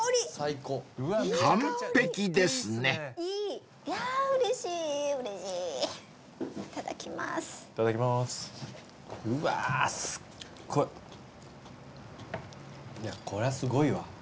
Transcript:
・いやこれはすごいわ。